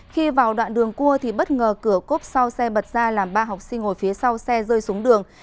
khi vào đoạn đường cua thì bất ngờ cửa cốp sau xe bật ra làm ba học sinh ngồi phía sau xe rơi xuống đường